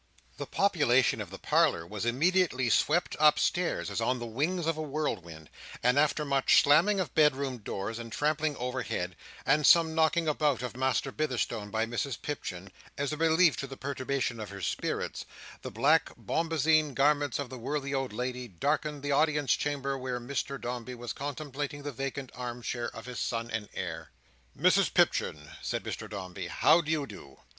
The population of the parlour was immediately swept upstairs as on the wings of a whirlwind, and after much slamming of bedroom doors, and trampling overhead, and some knocking about of Master Bitherstone by Mrs Pipchin, as a relief to the perturbation of her spirits, the black bombazeen garments of the worthy old lady darkened the audience chamber where Mr Dombey was contemplating the vacant arm chair of his son and heir. "Mrs Pipchin," said Mr Dombey, "How do you do?"